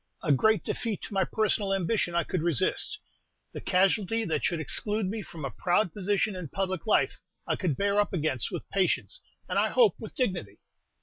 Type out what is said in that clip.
A great defeat to my personal ambition I could resist. The casualty that should exclude me from a proud position and public life, I could bear up against with patience, and I hope with dignity.